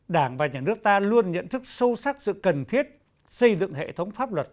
đảng và nhà nước ta luôn nhận thức sâu sắc sự cần thiết xây dựng hệ thống pháp luật